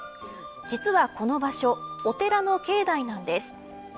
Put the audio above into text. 実は、この場所お寺の境内なんです。